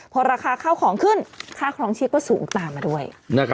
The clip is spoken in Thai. พอราคาข้าวของขึ้นค่าครองชีพก็สูงตามมาด้วย